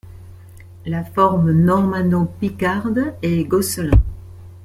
La forme normanno-picarde est Gosselin.